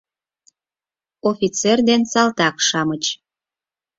Офицер ден салтак-шамыч.